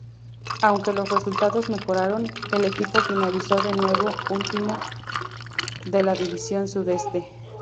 Aunque los resultados mejoraron, el equipo finalizó de nuevo último de la División Sudeste.